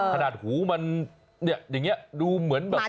ประดาษหูมันอย่างนี้ดูเหมือนแบบนี้